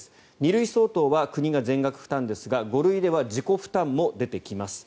２類相当は国が全額負担ですが５類では自己負担も出てきます。